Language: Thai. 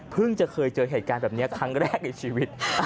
จะเคยเจอเหตุการณ์แบบนี้ครั้งแรกในชีวิต